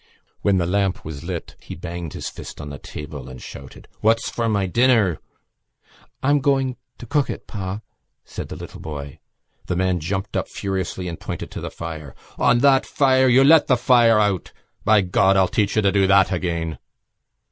_ When the lamp was lit he banged his fist on the table and shouted: "What's for my dinner?" "I'm going ... to cook it, pa," said the little boy. The man jumped up furiously and pointed to the fire. "On that fire! You let the fire out! By God, I'll teach you to do that again!"